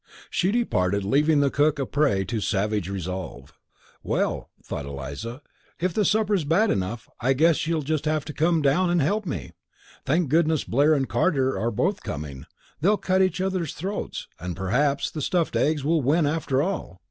She departed, leaving the cook a prey to savage resolve. "Well," thought Eliza, "if the supper is bad enough I guess she'll just have to come down and help me. Thank goodness Blair and Carter are both coming; they'll cut each other's throats, and perhaps the stuffed eggs will win after all.